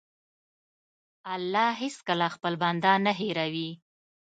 الله هېڅکله خپل بنده نه هېروي.